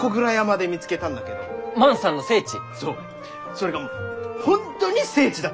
それがもう本当に聖地だった！